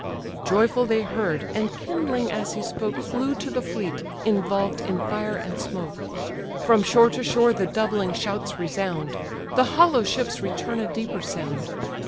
Joyful they heard, and kindling as he spoke, Flew to the fleet, involved in fire and smoke. From shore to shore the doubling shouts resound, The hollow ships return a deeper sound.